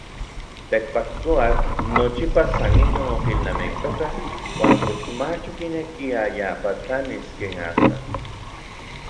Tekpatkoatl nochipa san inon okilnamiktoka uan koxmach okinekiaya patlanis ken astatl.